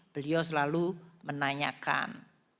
beliau selalu menanyakan